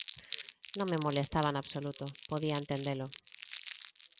Non me molestaba en absoluto, podía entendelo.